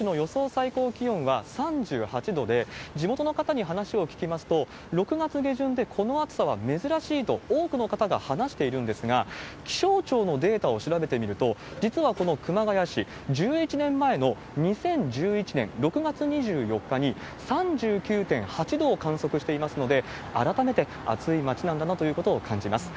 最高気温は３８度で、地元の方に話を聞きますと、６月下旬でこの暑さは珍しいと、多くの方が話しているんですが、気象庁のデータを調べてみると、実はこの熊谷市、１１年前の２０１１年６月２４日に、３９．８度を観測していますので、改めて、暑い町なんだなということを感じます。